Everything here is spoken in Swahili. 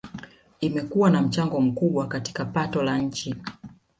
Imekuwa na mchango mkubwa katika pato la nchi